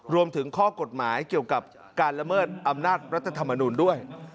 รวมถึงข้อกฎหมายเกี่ยวกับการละเมิดอำนาจรัฐธรรมนูลด้วย